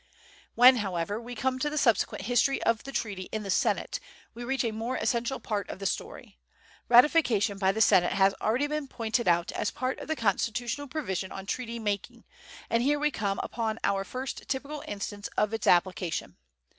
When, however, we come to the subsequent history of the treaty in the Senate, we reach a more essential part of the story. Ratification by the Senate has already been pointed out as part of the constitutional provision on treaty making, and here we come upon our first typical instance of its application.